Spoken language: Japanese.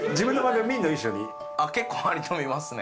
結構割と見ますね。